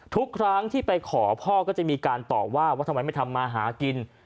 ทุกครั้งที่ไปขอพ่อก็จะมีการตอบว่าว่าทำไมไม่ทำมาหากิน